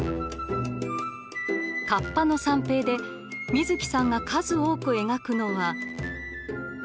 「河童の三平」で水木さんが数多く描くのは。